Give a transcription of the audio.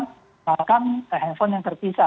gunakan handphone yang terpisah